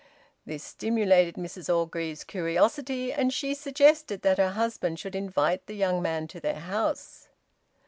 This stimulated Mrs Orgreave's curiosity, and she suggested that her husband should invite the young man to their house.